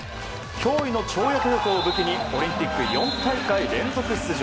驚異の跳躍力を武器にオリンピック４大会連続出場。